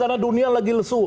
karena dunia lagi lesu